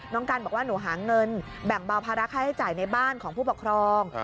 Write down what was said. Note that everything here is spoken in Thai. กันบอกว่าหนูหาเงินแบ่งเบาภาระค่าใช้จ่ายในบ้านของผู้ปกครอง